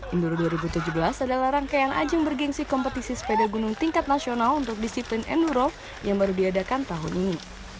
indoro dua ribu tujuh belas adalah rangkaian ajang bergensi kompetisi sepeda gunung tingkat nasional untuk disiplin endurov yang baru diadakan tahun ini